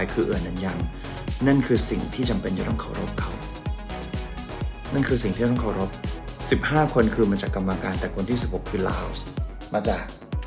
ที่บอกว่าสตอรี่ยังยิ่งยาวแรงก็ก็ควรจะชนะ